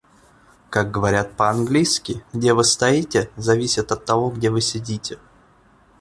Как говорят по-английски: "Где вы стоите, зависит от того, где вы сидите".